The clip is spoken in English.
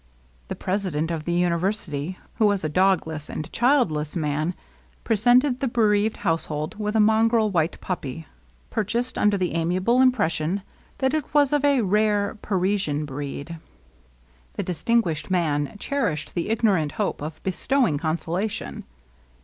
The president of the university, who was a dog^ less and childless man, presented the bereaved household with a mongrel white puppy, purchased 22 LOVELINESS, under the amiable impression that it was of a rare, Parisian breed. The distinguished man cherished the ignorant hope of bestowing consolation.